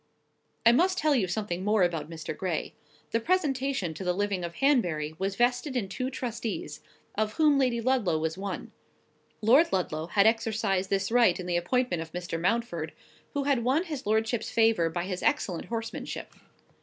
I must tell you something more about Mr. Gray. The presentation to the living of Hanbury was vested in two trustees, of whom Lady Ludlow was one: Lord Ludlow had exercised this right in the appointment of Mr. Mountford, who had won his lordship's favour by his excellent horsemanship.